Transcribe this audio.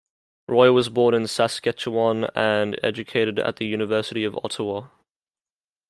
Roy was born in Saskatchewan and educated at the University of Ottawa.